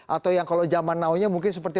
atau yang kalau zaman now nya mungkin seperti